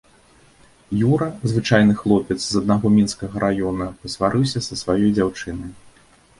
Юра, звычайны хлопец з аднаго мінскага раёна, пасварыўся са сваёй дзяўчынай.